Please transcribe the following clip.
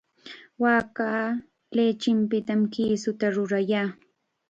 Waaka lichipitam kisuta rurayan.